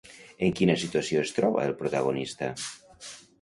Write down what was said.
En quina situació es troba el protagonista?